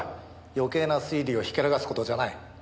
余計な推理をひけらかす事じゃない。